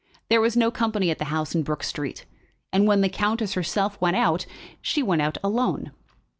There was no company at the house in Brook Street, and when the countess herself went out, she went out alone.